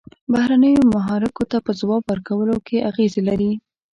بهرنیو محرکو ته په ځواب ورکولو کې اغیزې لري.